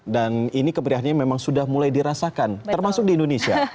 dan ini keberiannya memang sudah mulai dirasakan termasuk di indonesia